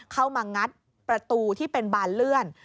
งัดประตูที่เป็นบานเลื่อน